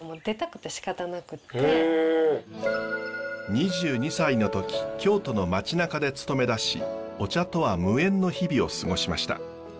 ２２歳の時京都の町なかで勤めだしお茶とは無縁の日々を過ごしました。